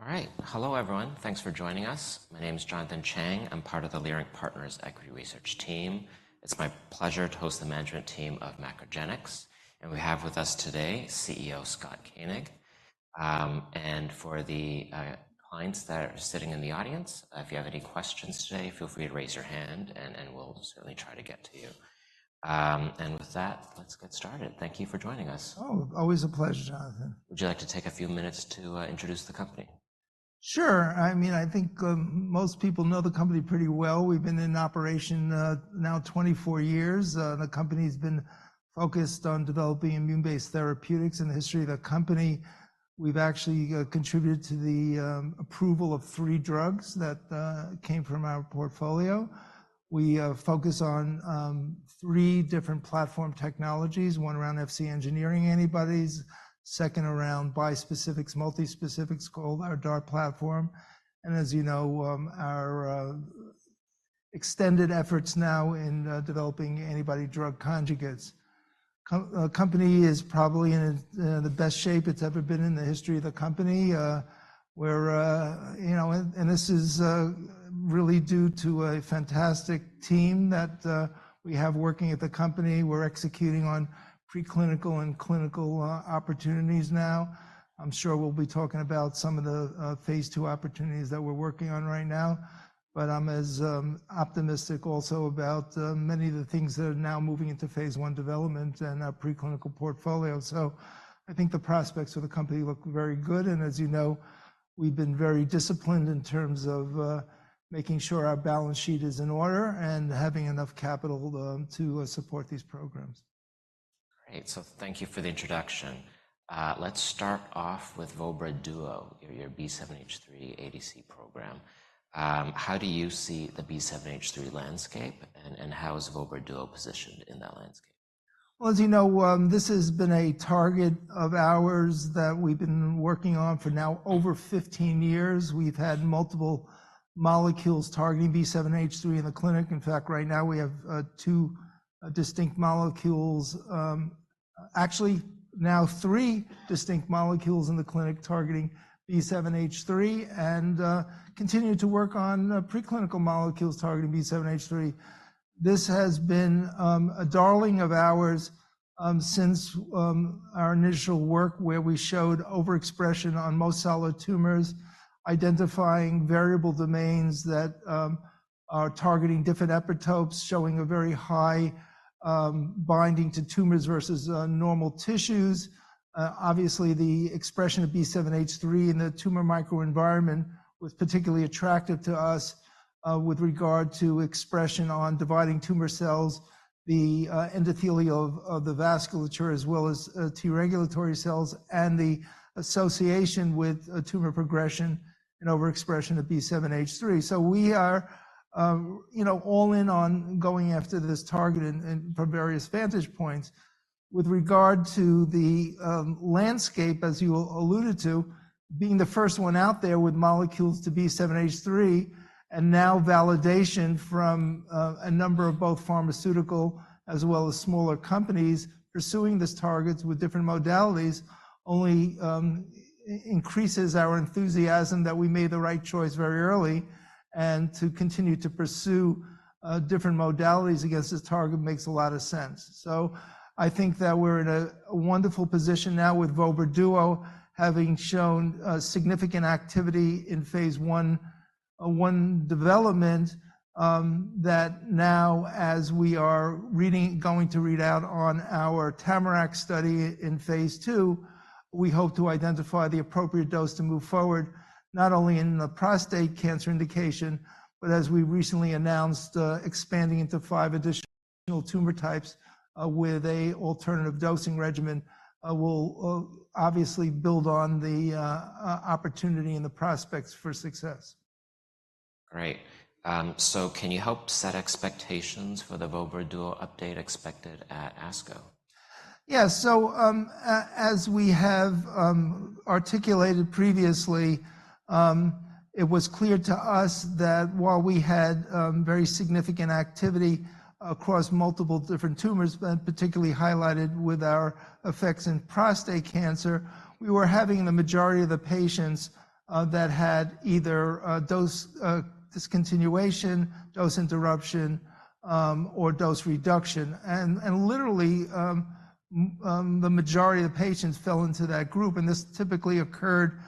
All right. Hello, everyone. Thanks for joining us. My name is Jonathan Chang. I'm part of the Leerink Partners Equity Research Team. It's my pleasure to host the management team of MacroGenics, and we have with us today CEO Scott Koenig. And for the clients that are sitting in the audience, if you have any questions today, feel free to raise your hand, and we'll certainly try to get to you. And with that, let's get started. Thank you for joining us. Oh, always a pleasure, Jonathan. Would you like to take a few minutes to introduce the company? Sure. I mean, I think, most people know the company pretty well. We've been in operation, now 24 years. The company's been focused on developing immune-based therapeutics. In the history of the company, we've actually, contributed to the, approval of three drugs that, came from our portfolio. We, focus on, three different platform technologies, one around Fc engineering antibodies, second around bispecifics, multi-specifics called our DART platform, and as you know, our, extended efforts now in, developing antibody drug conjugates. Company is probably in, the best shape it's ever been in the history of the company. We're... You know, and, and this is, really due to a fantastic team that, we have working at the company. We're executing on preclinical and clinical, opportunities now. I'm sure we'll be talking about some of the phase 2 opportunities that we're working on right now, but I'm as optimistic also about many of the things that are now moving into phase 1 development and our preclinical portfolio. I think the prospects of the company look very good, and as you know, we've been very disciplined in terms of making sure our balance sheet is in order and having enough capital to support these programs. Great, thank you for the introduction. Let's start off with vobra duo, your B7-H3 ADC program. How do you see the B7-H3 landscape, and how is vobra duo positioned in that landscape? Well, as you know, this has been a target of ours that we've been working on for now over 15 years. We've had multiple molecules targeting B7-H3 in the clinic. In fact, right now, we have two distinct molecules, actually, now three distinct molecules in the clinic targeting B7-H3, and continue to work on preclinical molecules targeting B7-H3. This has been a darling of ours since our initial work, where we showed overexpression on most solid tumors, identifying variable domains that are targeting different epitopes, showing a very high binding to tumors versus normal tissues. Obviously, the expression of B7-H3 in the tumor microenvironment was particularly attractive to us, with regard to expression on dividing tumor cells, the endothelium of the vasculature, as well as T-regulatory cells and the association with tumor progression and overexpression of B7-H3. So we are, you know, all in on going after this target and from various vantage points. With regard to the landscape, as you alluded to, being the first one out there with molecules to B7-H3 and now validation from a number of both pharmaceutical as well as smaller companies pursuing these targets with different modalities only increases our enthusiasm that we made the right choice very early, and to continue to pursue different modalities against this target makes a lot of sense. So I think that we're in a wonderful position now with vobra duo, having shown significant activity in phase one development, that now as we are going to read out on our TAMARACK study in phase two, we hope to identify the appropriate dose to move forward, not only in the prostate cancer indication, but as we recently announced, expanding into five additional tumor types, with an alternative dosing regimen, will obviously build on the opportunity and the prospects for success. Great. So can you help set expectations for the Vobra Duo update expected at ASCO? Yeah. So, as we have articulated previously, it was clear to us that while we had very significant activity across multiple different tumors, but particularly highlighted with our effects in prostate cancer, we were having the majority of the patients that had either dose discontinuation, dose interruption, or dose reduction. And literally, the majority of the patients fell into that group, and this typically occurred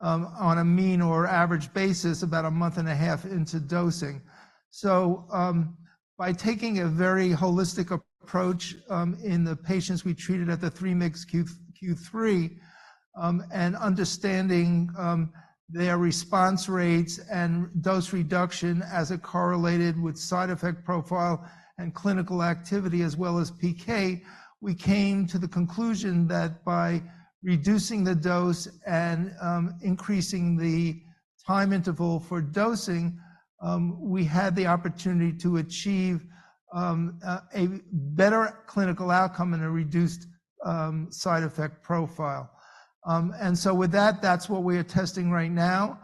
on a mean or average basis about a month and a half into dosing. So, by taking a very holistic approach, in the patients we treated at the 3 mg/kg Q3W, and understanding their response rates and dose reduction as it correlated with side effect profile and clinical activity as well as PK, we came to the conclusion that by reducing the dose and increasing the time interval for dosing, we had the opportunity to achieve a better clinical outcome and a reduced side effect profile. And so with that, that's what we are testing right now.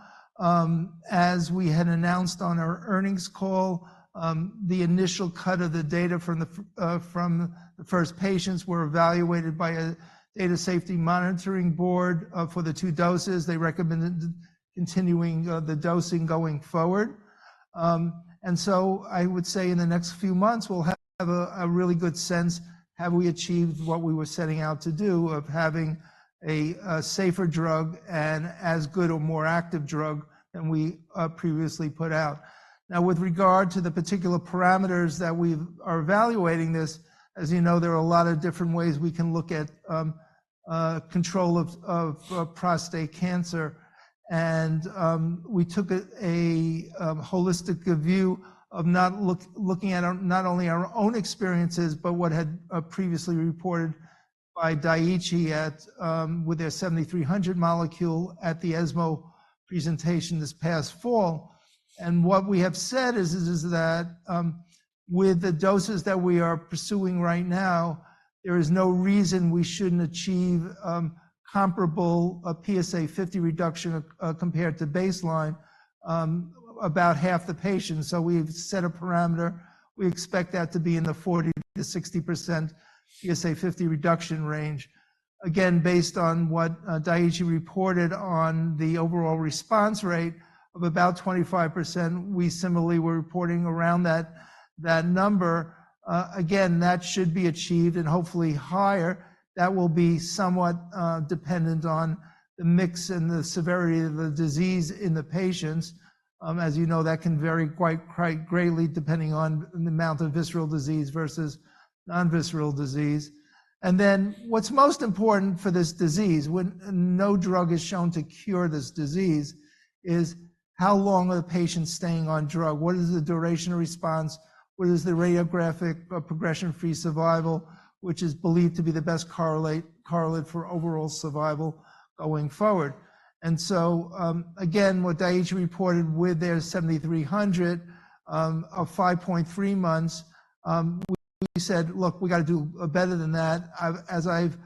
As we had announced on our earnings call, the initial cut of the data from the first patients were evaluated by a data safety monitoring board for the two doses. They recommended continuing the dosing going forward. So I would say in the next few months, we'll have a really good sense, have we achieved what we were setting out to do, of having a safer drug and as good or more active drug than we previously put out? Now, with regard to the particular parameters that we're evaluating this, as you know, there are a lot of different ways we can look at control of prostate cancer. We took a holistic view of looking at not only our own experiences, but what had previously been reported by Daiichi with their 7300 molecule at the ESMO presentation this past fall. What we have said is that with the doses that we are pursuing right now, there is no reason we shouldn't achieve comparable PSA 50 reduction compared to baseline about half the patients. So we've set a parameter. We expect that to be in the 40%-60% PSA 50 reduction range. Again, based on what Daiichi reported on the overall response rate of about 25%, we similarly were reporting around that number. Again, that should be achieved and hopefully higher. That will be somewhat dependent on the mix and the severity of the disease in the patients. As you know, that can vary quite greatly depending on the amount of visceral disease versus non-visceral disease. What's most important for this disease, when no drug is shown to cure this disease, is how long are the patients staying on drug? What is the duration of response? What is the radiographic or progression-free survival, which is believed to be the best correlate for overall survival going forward? And so, again, what Daiichi reported with their DS-7300 of 5.3 months, we said, "Look, we got to do better than that." As I've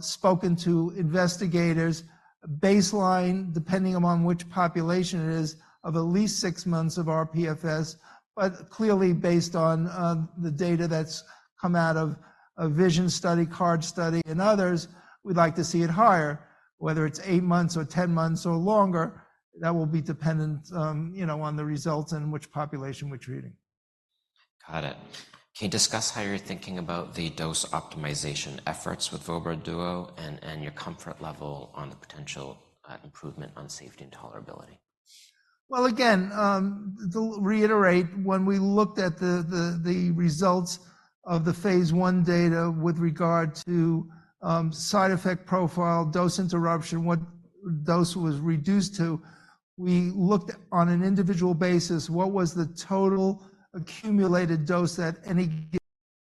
spoken to investigators, baseline, depending on which population it is, of at least six months of our PFS. But clearly based on the data that's come out of a VISION study, CARD study, and others, we'd like to see it higher. Whether it's 8 months or 10 months or longer, that will be dependent, you know, on the results and which population we're treating. Got it. Can you discuss how you're thinking about the dose optimization efforts with vobra duo and your comfort level on the potential improvement on safety and tolerability? Well, again, to reiterate, when we looked at the results of the phase 1 data with regard to side effect profile, dose interruption, what dose was reduced to, we looked on an individual basis, what was the total accumulated dose that any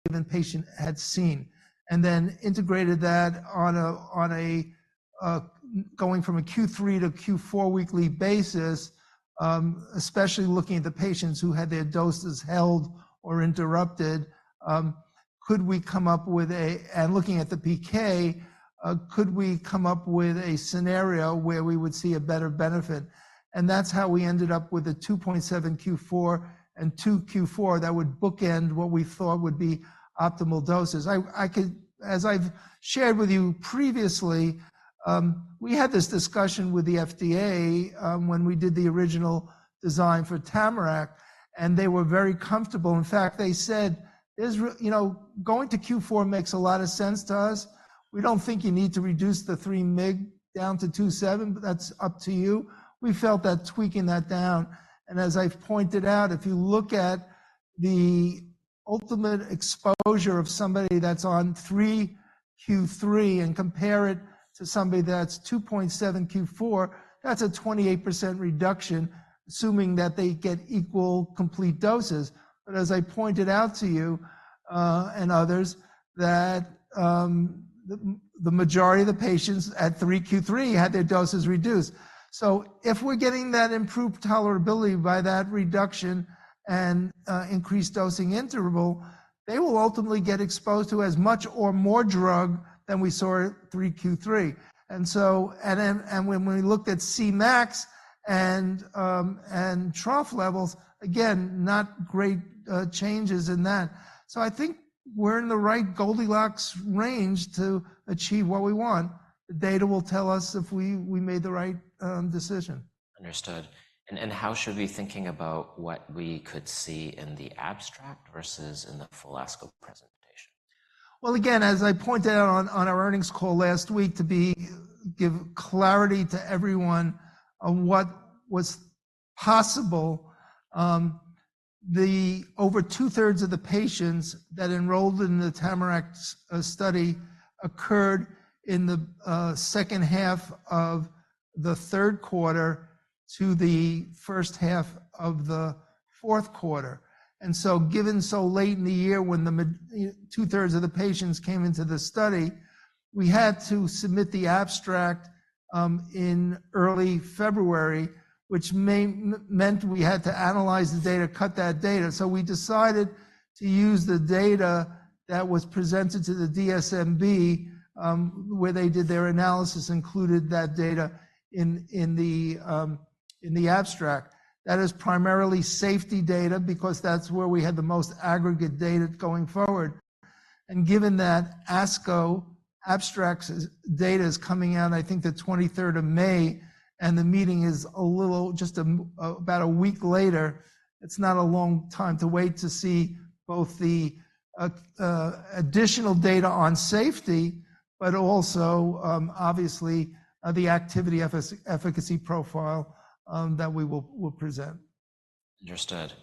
given patient had seen, and then integrated that on a going from a Q3 to Q4 weekly basis, especially looking at the patients who had their doses held or interrupted. Could we come up with a... And looking at the PK, could we come up with a scenario where we would see a better benefit? And that's how we ended up with a 2.7 Q4 and 2 Q4 that would bookend what we thought would be optimal doses. I could—as I've shared with you previously, we had this discussion with the FDA when we did the original design for TAMARACK, and they were very comfortable. In fact, they said, "Scott, you know, going to Q4 makes a lot of sense to us. We don't think you need to reduce the 3 mg down to 2.7, but that's up to you." We felt that tweaking that down, and as I've pointed out, if you look at the ultimate exposure of somebody that's on 3 Q3 and compare it to somebody that's 2.7 Q4, that's a 28% reduction, assuming that they get equal complete doses. But as I pointed out to you and others, that the majority of the patients at 3 Q3 had their doses reduced. So if we're getting that improved tolerability by that reduction and increased dosing interval, they will ultimately get exposed to as much or more drug than we saw at 3Q3. And so, then when we looked at Cmax and trough levels, again, not great changes in that. So I think we're in the right Goldilocks range to achieve what we want. The data will tell us if we made the right decision. Understood. And how should we be thinking about what we could see in the abstract versus in the full ASCO presentation? Well, again, as I pointed out on our earnings call last week, to give clarity to everyone on what was possible, the over two-thirds of the patients that enrolled in the TAMARACK study occurred in the H2 of the Q3 to the H1 of the fourth quarter. And so, given so late in the year when the two-thirds of the patients came into the study, we had to submit the abstract in early February, which meant we had to analyze the data, cut that data. So we decided to use the data that was presented to the DSMB, where they did their analysis, included that data in the abstract. That is primarily safety data because that's where we had the most aggregate data going forward. Given that ASCO abstracts data is coming out, I think, the twenty-third of May, and the meeting is a little, just, about a week later, it's not a long time to wait to see both the additional data on safety, but also, obviously, the activity efficacy profile that we will present. Understood.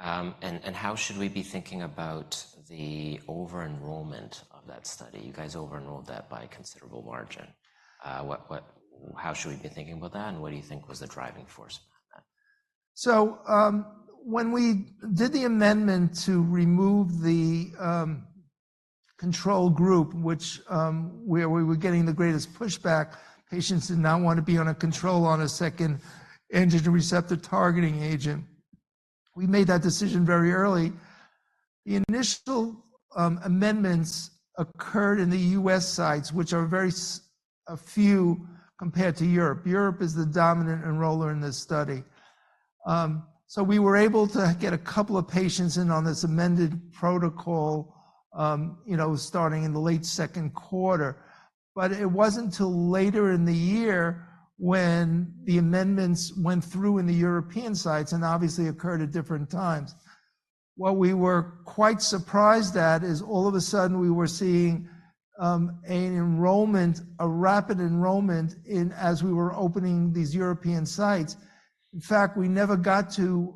And how should we be thinking about the over-enrollment of that study? You guys over-enrolled that by a considerable margin. How should we be thinking about that, and what do you think was the driving force behind that? So, when we did the amendment to remove the control group, which, where we were getting the greatest pushback, patients did not want to be on a control on a second androgen receptor-targeting agent. We made that decision very early. The initial amendments occurred in the U.S. sites, which are very few compared to Europe. Europe is the dominant enroller in this study. So we were able to get a couple of patients in on this amended protocol, you know, starting in the late Q2. But it wasn't till later in the year when the amendments went through in the European sites and obviously occurred at different times. What we were quite surprised at is all of a sudden we were seeing an enrollment, a rapid enrollment in as we were opening these European sites. In fact, we never got to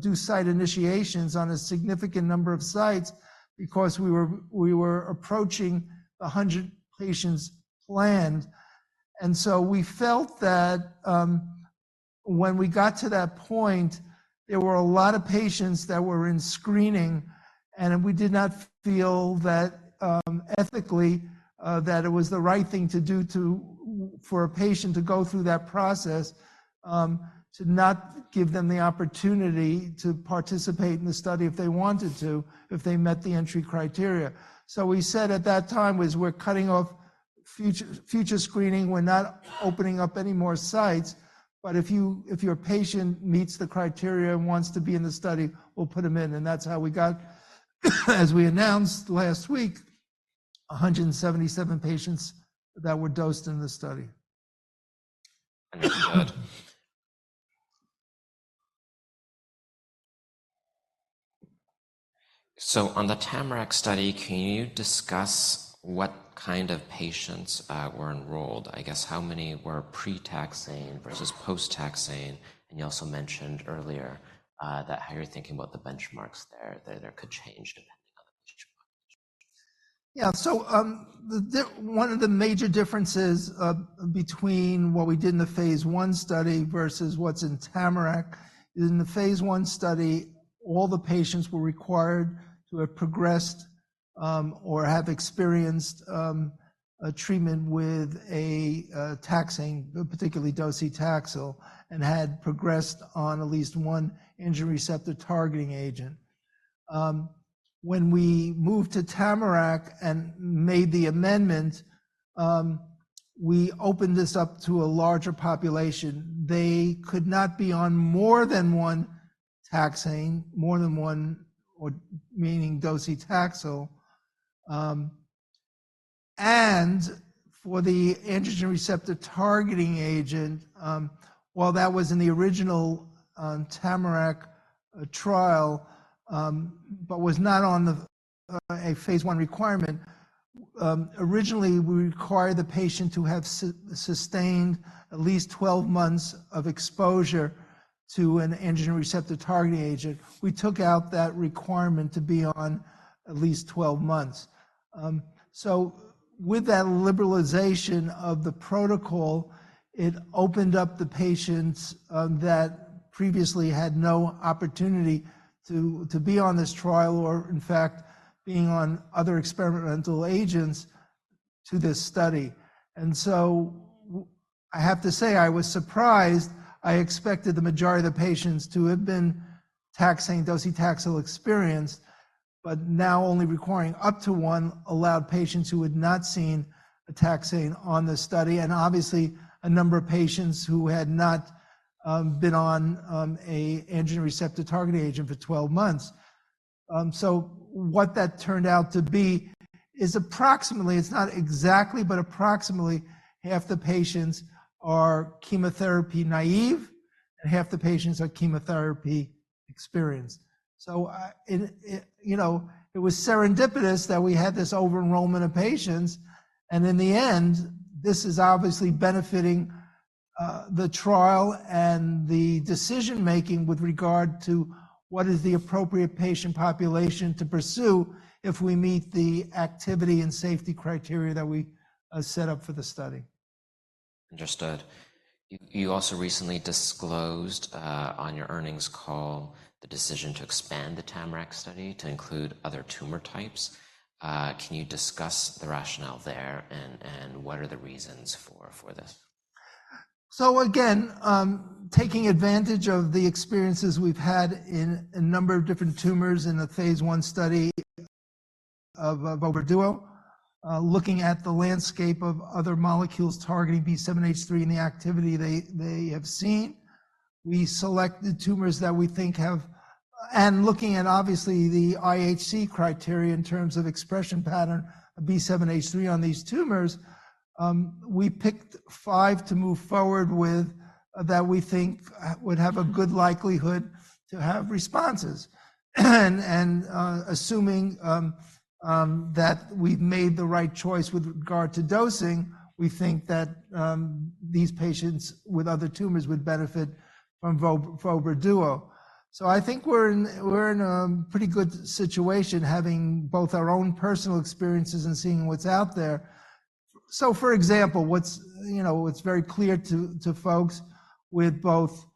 do site initiations on a significant number of sites because we were approaching the 100 patients planned. And so we felt that when we got to that point, there were a lot of patients that were in screening, and we did not feel that ethically that it was the right thing to do for a patient to go through that process to not give them the opportunity to participate in the study if they wanted to, if they met the entry criteria. So we said at that time, "We're cutting off future screening. We're not opening up any more sites, but if you, if your patient meets the criteria and wants to be in the study, we'll put them in." That's how we got, as we announced last week, 177 patients that were dosed in the study. Understood. So on the TAMARACK study, can you discuss what kind of patients were enrolled? I guess how many were pre-taxane versus post-taxane, and you also mentioned earlier, that how you're thinking about the benchmarks there, that there could change depending on the. Yeah, so, one of the major differences between what we did in the phase 1 study versus what's in TAMARACK is in the phase 1 study, all the patients were required to have progressed or have experienced a treatment with a taxane, particularly docetaxel, and had progressed on at least one androgen receptor-targeting agent. When we moved to TAMARACK and made the amendment, we opened this up to a larger population. They could not be on more than one taxane, more than one, or meaning docetaxel. And for the androgen receptor-targeting agent, while that was in the original TAMARACK trial, but was not a phase 1 requirement, originally, we required the patient to have sustained at least 12 months of exposure to an androgen receptor-targeting agent. We took out that requirement to be on at least 12 months. So with that liberalization of the protocol, it opened up the patients that previously had no opportunity to be on this trial, or in fact, being on other experimental agents to this study. And so I have to say, I was surprised. I expected the majority of the patients to have been taxane, docetaxel experienced, but now only requiring up to one, allowed patients who had not seen a taxane on this study, and obviously, a number of patients who had not been on a androgen receptor-targeting agent for 12 months. So what that turned out to be is approximately, it's not exactly, but approximately half the patients are chemotherapy naive, and half the patients are chemotherapy experienced. So, you know, it was serendipitous that we had this over-enrollment of patients, and in the end, this is obviously benefiting the trial and the decision-making with regard to what is the appropriate patient population to pursue if we meet the activity and safety criteria that we set up for the study. Understood. You also recently disclosed, on your earnings call, the decision to expand the TAMARACK study to include other tumor types. Can you discuss the rationale there, and what are the reasons for this?... So again, taking advantage of the experiences we've had in a number of different tumors in the phase I study of vobra duo, looking at the landscape of other molecules targeting B7-H3 and the activity they have seen, we selected tumors that we think have. And looking at obviously the IHC criteria in terms of expression pattern of B7-H3 on these tumors, we picked five to move forward with, that we think would have a good likelihood to have responses. And assuming that we've made the right choice with regard to dosing, we think that these patients with other tumors would benefit from vobra duo. So I think we're in, we're in a pretty good situation, having both our own personal experiences and seeing what's out there. So, for example, what's, you know, it's very clear to folks with both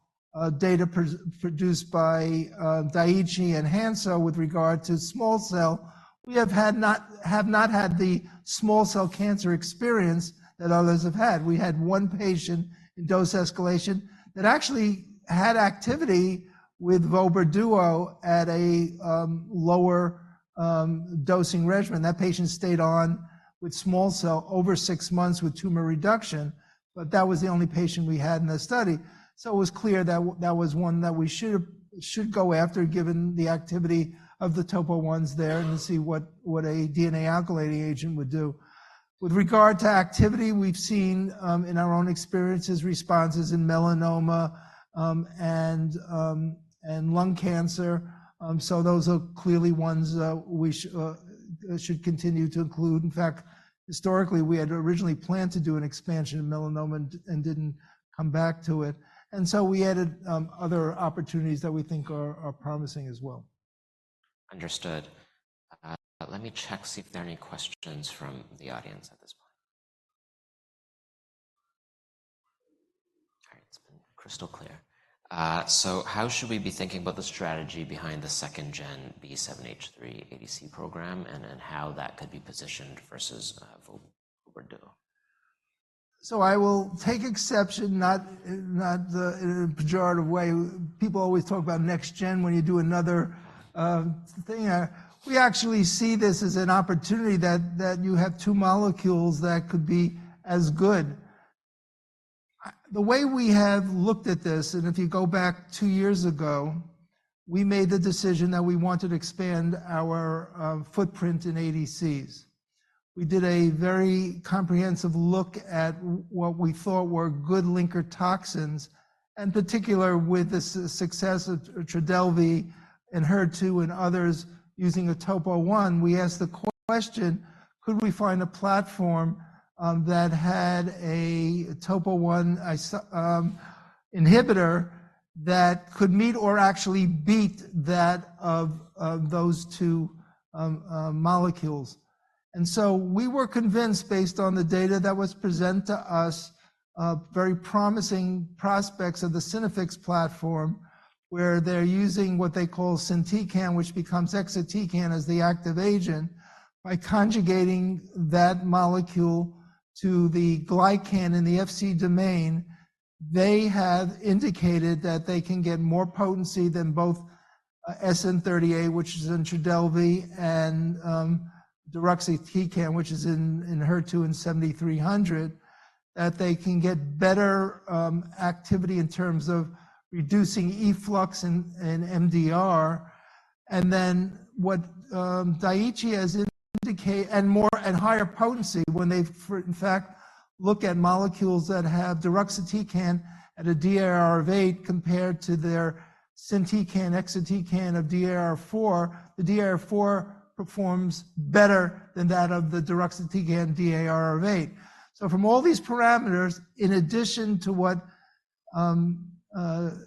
data produced by Daiichi and Hansoh with regard to small cell, we have not had the small cell cancer experience that others have had. We had one patient in dose escalation that actually had activity with Vobra Duo at a lower dosing regimen. That patient stayed on with small cell over six months with tumor reduction, but that was the only patient we had in the study. So it was clear that that was one that we should go after, given the activity of the topo s there, and see what a DNA alkylating agent would do. With regard to activity, we've seen in our own experiences responses in melanoma and lung cancer. So those are clearly ones we should continue to include. In fact, historically, we had originally planned to do an expansion in melanoma and didn't come back to it, and so we added other opportunities that we think are promising as well. Understood. Let me check, see if there are any questions from the audience at this point. All right, it's been crystal clear. So how should we be thinking about the strategy behind the second-gen B7-H3 ADC program, and then how that could be positioned versus, vobra duo? So I will take exception, not in a pejorative way. People always talk about next gen when you do another thing. We actually see this as an opportunity that you have two molecules that could be as good. The way we have looked at this, and if you go back two years ago, we made the decision that we wanted to expand our footprint in ADCs. We did a very comprehensive look at what we thought were good linker toxins, and particular with the success of Trodelvy and HER2 and others using a topo one, we asked the question: Could we find a platform that had a topo one inhibitor, that could meet or actually beat that of those two molecules? So we were convinced, based on the data that was presented to us, the very promising prospects of the Synaffix platform, where they're using what they call SYNtecan, which becomes exatecan as the active agent. By conjugating that molecule to the glycan in the Fc domain, they have indicated that they can get more potency than both SN-38, which is in Trodelvy, and the deruxtecan, which is in Enhertu and DS-7300, that they can get better activity in terms of reducing efflux and MDR. And then, what Daiichi has indicated, and more, and higher potency when they've, in fact, look at molecules that have deruxtecan at a DAR of 8, compared to their SYNtecan, exatecan of DAR 4, the DAR 4 performs better than that of the deruxtecan DAR of 8. So from all these parameters, in addition to what Daiichi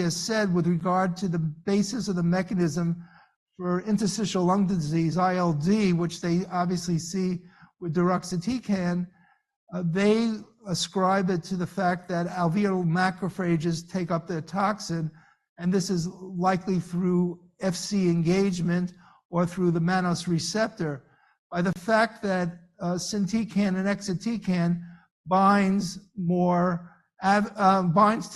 has said with regard to the basis of the mechanism for interstitial lung disease, ILD, which they obviously see with deruxtecan, they ascribe it to the fact that alveolar macrophages take up their toxin, and this is likely through Fc engagement or through the mannose receptor. By the fact that SYNtecan and exatecan binds more to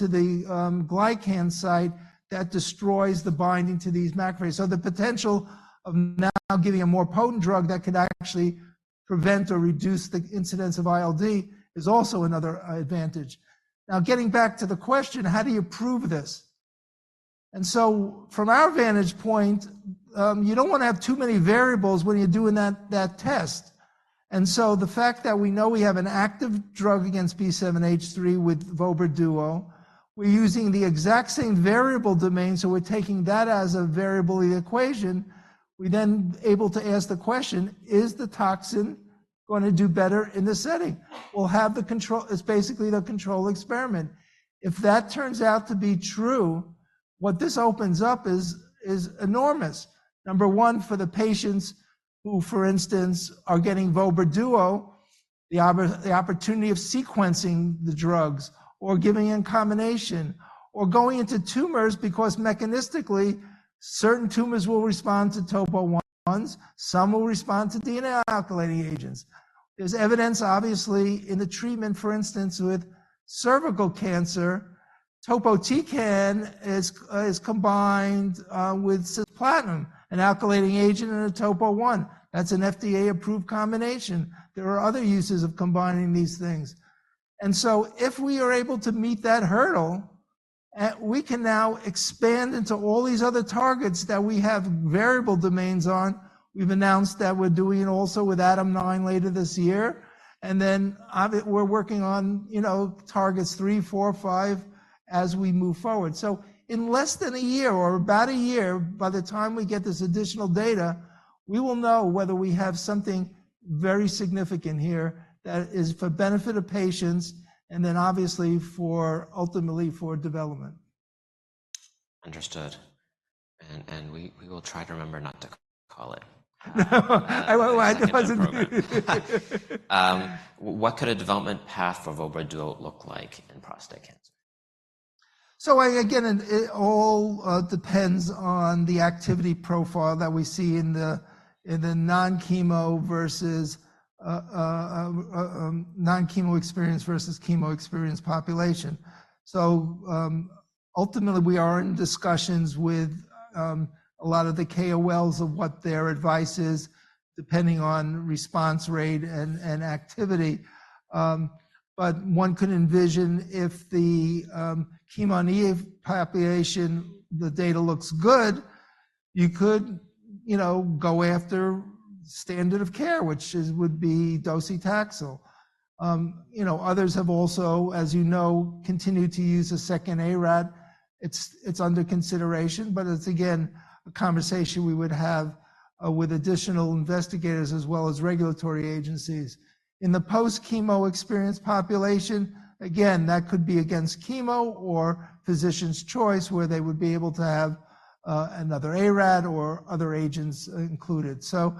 the glycan site, that destroys the binding to these macrophages. So the potential of now giving a more potent drug that could actually prevent or reduce the incidence of ILD is also another advantage. Now, getting back to the question, how do you prove this? And so, from our vantage point, you don't wanna have too many variables when you're doing that test. And so the fact that we know we have an active drug against B7-H3 with vobra duo, we're using the exact same variable domain, so we're taking that as a variable in the equation. We're then able to ask the question: Is the toxin gonna do better in this setting? We'll have the control. It's basically the control experiment. If that turns out to be true, what this opens up is enormous. Number one, for the patients who, for instance, are getting vobra duo, the opportunity of sequencing the drugs or giving in combination... or going into tumors because mechanistically, certain tumors will respond to topo ones, some will respond to DNA alkylating agents. There's evidence, obviously, in the treatment, for instance, with cervical cancer, topotecan is combined with cisplatin, an alkylating agent and a topo one. That's an FDA-approved combination. There are other uses of combining these things. So if we are able to meet that hurdle, we can now expand into all these other targets that we have variable domains on. We've announced that we're doing it also with ADAM9 later this year, and then we're working on, you know, targets 3, 4, 5, as we move forward. So in less than a year or about a year, by the time we get this additional data, we will know whether we have something very significant here that is for benefit of patients and then obviously for, ultimately for development. Understood. We will try to remember not to call it. Well, that wasn't- What could a development path for Vobra Duo look like in prostate cancer? So again, it all depends on the activity profile that we see in the non-chemo versus non-chemo-experienced versus chemo-experienced population. So, ultimately, we are in discussions with a lot of the KOLs of what their advice is, depending on response rate and activity. But one could envision if the chemo-naive population, the data looks good, you could, you know, go after standard of care, which is would be docetaxel. You know, others have also, as you know, continued to use a second ARAT. It's under consideration, but it's, again, a conversation we would have with additional investigators as well as regulatory agencies. In the post-chemo experienced population, again, that could be against chemo or physician's choice, where they would be able to have another ARAT or other agents included. So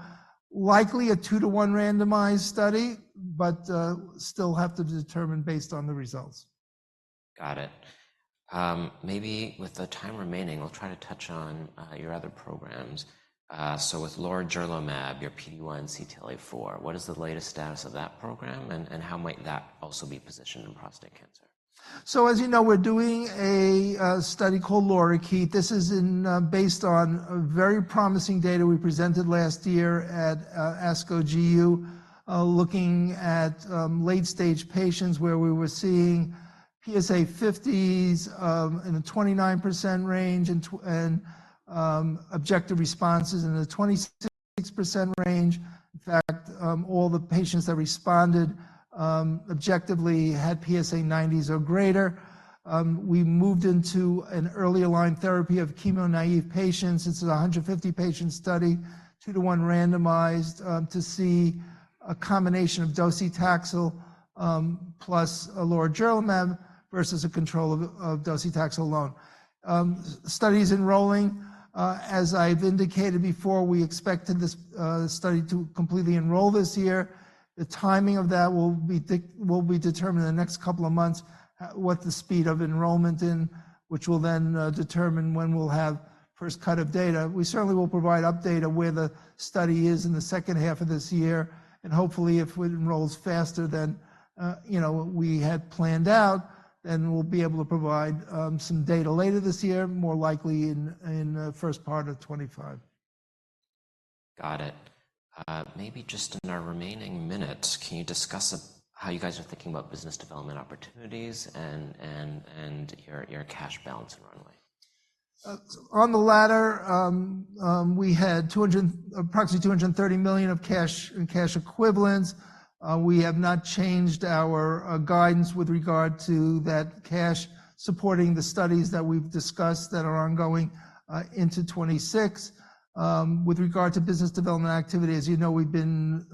likely a 2-to-1 randomized study, but still have to determine based on the results. Got it. Maybe with the time remaining, I'll try to touch on your other programs. So with lorigerlimab, your PD-1 CTLA-4, what is the latest status of that program, and, and how might that also be positioned in prostate cancer? So, as you know, we're doing a study called LORIKEET. This is based on very promising data we presented last year at ASCO GU, looking at late-stage patients where we were seeing PSA 50s in a 29% range, and objective responses in a 26% range. In fact, all the patients that responded objectively had PSA 90s or greater. We moved into an early-line therapy of chemo-naive patients. This is a 150-patient study, 2-to-1 randomized, to see a combination of docetaxel plus lorigerlimab versus a control of docetaxel alone. Study is enrolling. As I've indicated before, we expected this study to completely enroll this year. The timing of that will be determined in the next couple of months, what the speed of enrollment in which will then determine when we'll have first cut of data. We certainly will provide update of where the study is in the H2 of this year, and hopefully, if it enrolls faster than you know we had planned out, then we'll be able to provide some data later this year, more likely in the first part of 2025. Got it. Maybe just in our remaining minutes, can you discuss how you guys are thinking about business development opportunities and your cash balance and runway? On the latter, we had approximately $230 million in cash and cash equivalents. We have not changed our guidance with regard to that cash supporting the studies that we've discussed that are ongoing into 2026. With regard to business development activity, as you know, we've been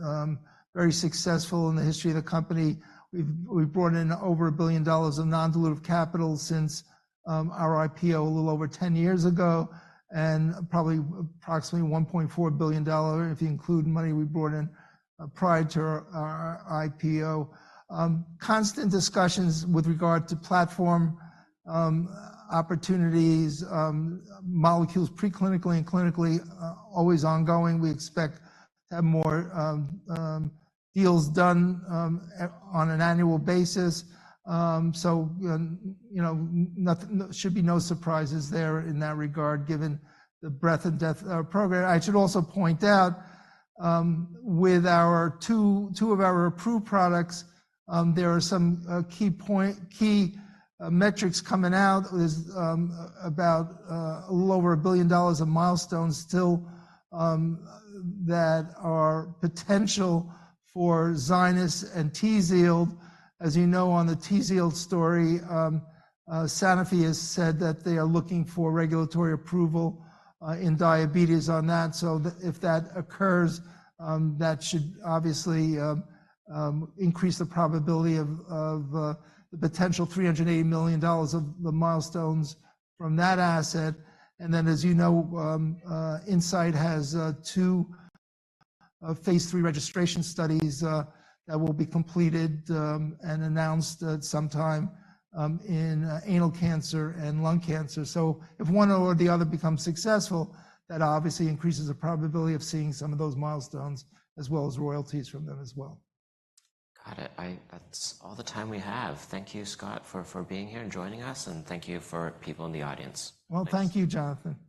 very successful in the history of the company. We've brought in over $1 billion of non-dilutive capital since our IPO a little over 10 years ago, and probably approximately $1.4 billion, if you include money we brought in prior to our IPO. Constant discussions with regard to platform opportunities, molecules preclinically and clinically, always ongoing. We expect to have more deals done on an annual basis. So, you know, nothing should be no surprises there in that regard, given the breadth and depth of our program. I should also point out, with two of our approved products, there are some key metrics coming out. There's about a little over $1 billion of milestones still that are potential for ZYNYZ and TZIELD. As you know, on the TZIELD story, Sanofi has said that they are looking for regulatory approval in diabetes on that. So, if that occurs, that should obviously increase the probability of the potential $380 million of the milestones from that asset. And then, as you know, Incyte has 2 phase 3 registration studies that will be completed and announced at some time in anal cancer and lung cancer. So if one or the other becomes successful, that obviously increases the probability of seeing some of those milestones as well as royalties from them as well. Got it. That's all the time we have. Thank you, Scott, for being here and joining us, and thank you for people in the audience. Well, thank you, Jonathan. Appreciate it.